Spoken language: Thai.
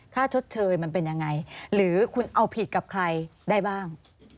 ชดเชยมันเป็นยังไงหรือคุณเอาผิดกับใครได้บ้าง